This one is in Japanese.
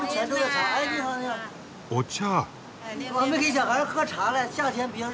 お茶？